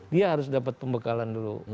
dia harus dapat pembekalan dulu